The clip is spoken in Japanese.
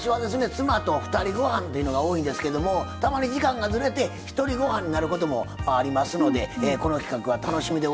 妻とふたりごはんというのが多いんですけどもたまに時間がズレてひとりごはんになることもありますのでこの企画は楽しみでございますが。